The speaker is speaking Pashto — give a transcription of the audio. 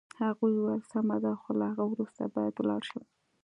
هغې وویل: سمه ده، خو له هغه وروسته باید ولاړه شم.